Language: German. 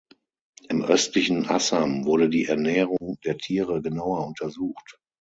Im östlichen Assam wurde die Ernährung der Tiere genauer untersucht.